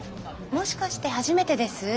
もしかして初めてです？